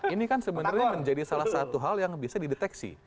ini kan sebenarnya menjadi salah satu hal yang bisa dideteksi